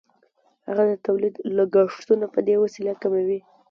هغه د تولید لګښتونه په دې وسیله کموي